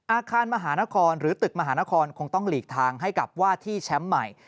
อาคารมหานครหรือตึกมหานครคงต้องหลีกทางให้กับว่าที่แชมป์ใหม่